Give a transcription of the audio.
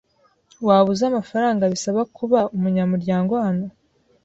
Waba uzi amafaranga bisaba kuba umunyamuryango hano?